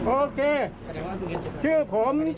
โอเคชื่อผม